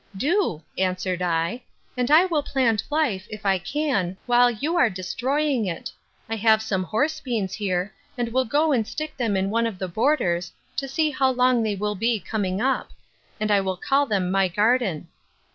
Do, answered I; and I will plant life, if I can, while you are destroying it. I have some horse beans here, and will go and stick them in one of the borders, to see how long they will be coming up; and I will call them my garden.